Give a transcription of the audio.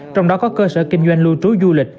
trong đó có cơ sở kinh doanh lưu trú du lịch